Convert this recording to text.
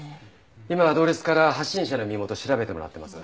今アドレスから発信者の身元調べてもらってます。